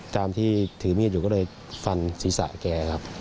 ตามที่ถือมีดอยู่ก็เลยฟันศีรษะแกครับ